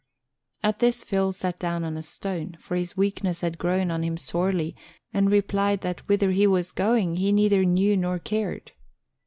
At this Phil sat down on a stone, for his weakness had grown on him sorely, and replied that whither he was going he neither knew nor cared.